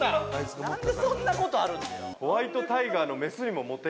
何でそんなことあるのよ